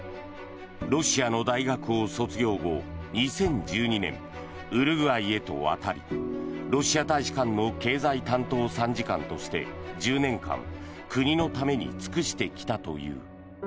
ロシアの大学を卒業後２０１２年、ウルグアイへと渡りロシア大使館の経済担当参事官として１０年間国のために尽くしてきたという。